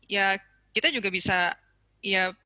ya kita juga bisa ya